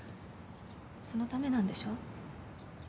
そのためなんでしょ？